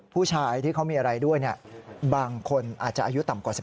ผู้ชายที่เขามีอะไรด้วยบางคนอาจจะอายุต่ำกว่า๑๘